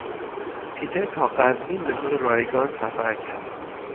پیتر تا قزوین به طور رایگان سفر کرد.